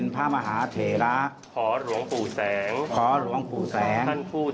พระมหาเถราขอโหลงปู่แสง